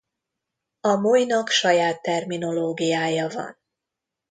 A Molynak saját terminológiája van.